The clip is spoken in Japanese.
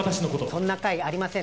そんな会ありません